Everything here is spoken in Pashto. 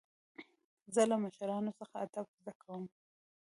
زه له مشرانو څخه ادب زده کوم.